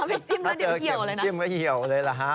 เอาไปจิ้มแล้วเก็บเขี่ยวเลยนะ